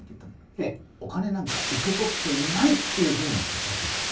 ええお金なんか受け取っていないっていうふうにおっしゃってるんです